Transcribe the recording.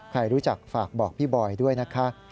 ใครรู้จักฝากบอกพี่บอยด้วยนะคะ